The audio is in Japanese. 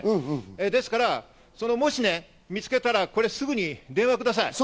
ですから、もし見つけたらすぐに電話をください。